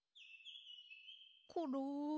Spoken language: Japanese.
コロ。